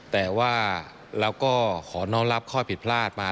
แต่ว่าเราก็ขอน้องรับข้อผิดพลาดมา